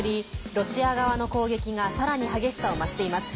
ロシア側の攻撃がさらに激しさを増しています。